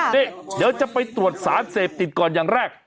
นี่เดี๋ยวจะไปตรวจสารเสพติดก่อนอย่างแรก